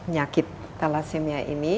nyakit thalassemia ini